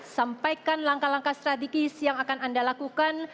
sampaikan langkah langkah strategis yang akan anda lakukan